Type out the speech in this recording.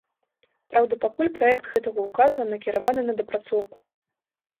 Праўда, пакуль праект гэтага ўказа накіраваны на дапрацоўку.